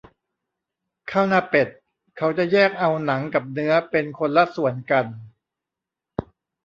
ข้าวหน้าเป็ด เขาจะแยกเอาหนังกับเนื้อเป็นคนละส่วนกัน